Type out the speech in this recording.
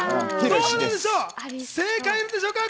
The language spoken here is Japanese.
正解あるんでしょうか？